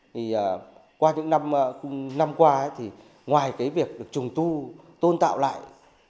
thì qua những năm qua ngoài việc trùng tu tôn tạo lại